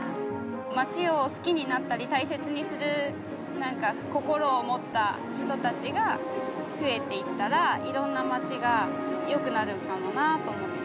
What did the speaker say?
町を好きになったり大切にする心を持った人たちが増えていったらいろんな町が良くなるかもなあと思って。